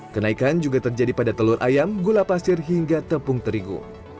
kenaikan juga terjadi pada telur ayam gula pasir hingga tepung terigu